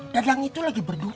dadang itu lagi berduka